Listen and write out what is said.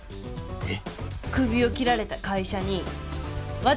えっ？